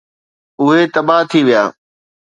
اهي تباهه ٿي ويا.